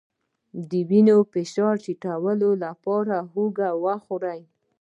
د وینې فشار ټیټولو لپاره هوږه وخورئ